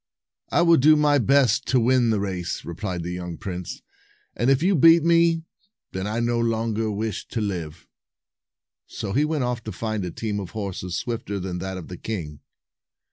"I will do my best to win the race," replied the young prince; "and if you beat me, then I no longer wish to live." So he went off to find a team of horses swifter than that of the king.